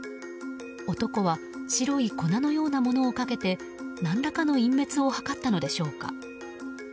男は白い粉のようなものをかけて何らかの隠滅を図ったのでしょうか。